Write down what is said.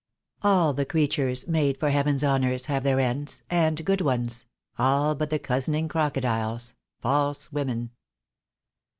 "All the creatures Made for Heaven's honours, have their ends, and good ones, All but the cozening crocodiles, false women."